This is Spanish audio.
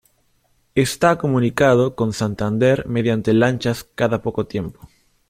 Está comunicado con Santander mediante lanchas cada poco tiempo.